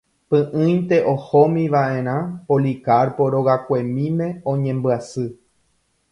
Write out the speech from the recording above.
Py'ỹinte ohómiva'erã Policarpo rogakuemíme oñembyasy.